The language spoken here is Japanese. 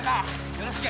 よろしく。